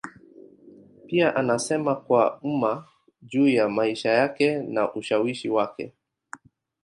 Pia anasema kwa umma juu ya maisha yake na ushawishi wake.